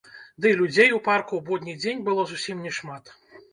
Дый людзей у парку ў будні дзень было зусім не шмат.